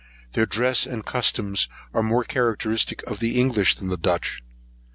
Their dress and customs are more characteristic of the English than Dutch.